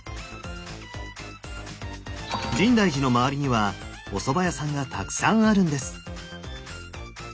深大寺の周りにはおそば屋さんがたくさんあるんです！